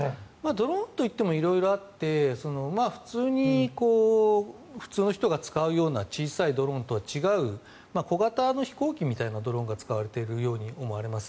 ドローンといっても色々あって普通の人が使うような小さいドローンとは違う小型の飛行機みたいなドローンが使われているように思います。